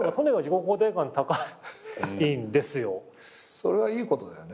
それはいいことだよね。